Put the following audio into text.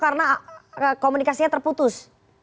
karena komunikasinya terputus